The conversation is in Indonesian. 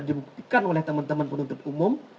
dibuktikan oleh teman teman penuntut umum